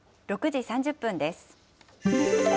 ６時３０分です。